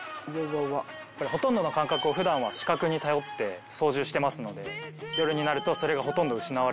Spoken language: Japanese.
ほとんどの感覚を普段は視覚に頼って操縦してますので夜になるとそれがほとんど失われてしまう。